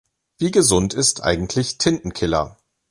Wie gesund ist eigentlich Tintenkiller?